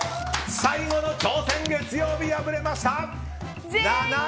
最後の挑戦、月曜日敗れました！